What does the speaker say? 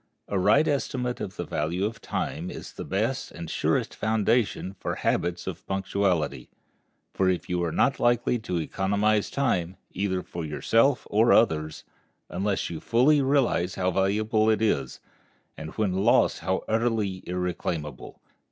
A right estimate of the value of time is the best and surest foundation for habits of punctuality, for you are not likely to economize time, either for yourself or others, unless you fully realize how valuable it is, and when lost how utterly irreclaimable.